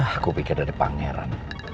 aku pikir dari pangeran